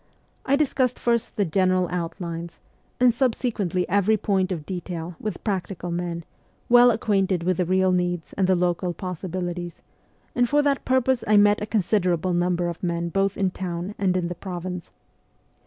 I discussed first the general outlines, and subsequently every point of detail, with practical men, well acquainted with the real needs and the local possibilities ; and for that purpose I met a considerable number of men both in town and in the province.